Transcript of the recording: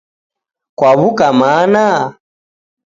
Kwaw'uka mana?